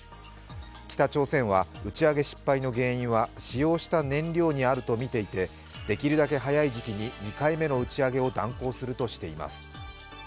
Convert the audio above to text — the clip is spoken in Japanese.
北朝鮮は打ち上げ失敗の原因は使用した燃料にあるとみていて、できるだけ早い時期に２回目の打ち上げを断行するとしています。